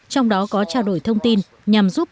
trong đó có trao đổi thông tin nhằm giúp